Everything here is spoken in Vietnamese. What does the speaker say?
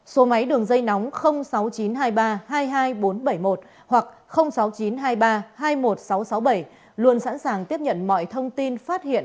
số máy đường dây nóng sáu nghìn chín trăm hai mươi ba hai mươi hai nghìn bốn trăm bảy mươi một hoặc sáu mươi chín hai mươi ba hai mươi một nghìn sáu trăm sáu mươi bảy luôn sẵn sàng tiếp nhận mọi thông tin phát hiện